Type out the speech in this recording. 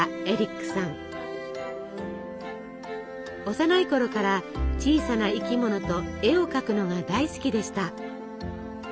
幼いころから小さな生き物と絵を描くのが大好きでした。